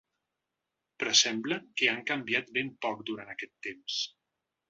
Però sembla que han canviat ben poc durant aquest temps.